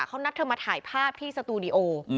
เขานัดเธอมาถ่ายภาพที่สตูดิโอ